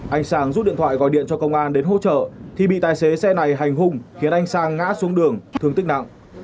anh sang giúp điện thoại gọi điện cho công an đến hỗ trợ thì bị tài xế xe này hành hung khiến anh sang ngã xuống đường thương tích nặng